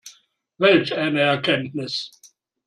Welch eine Erkenntnis!